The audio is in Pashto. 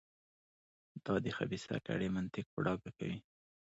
دا د خبیثه کړۍ منطق په ډاګه کوي.